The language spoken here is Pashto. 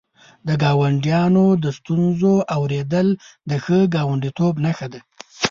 د ګاونډیانو د ستونزو اورېدل د ښه ګاونډیتوب نښه ده.